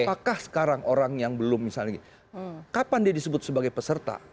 apakah sekarang orang yang belum misalnya kapan dia disebut sebagai peserta